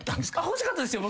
欲しかったですよ